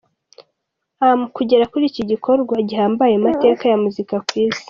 am kugera kuri iki gikorwa gihambaye mu mateka ya muzika ku isi.